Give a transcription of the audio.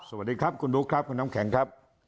สวัสดีครับคุณบุ๊คครับคุณน้ำแข็งครับ